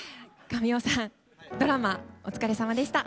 神尾さん、ドラマお疲れさまでした。